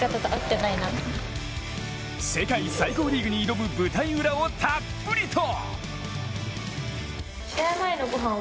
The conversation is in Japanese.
世界最高リーグに挑む舞台裏をたっぷりと。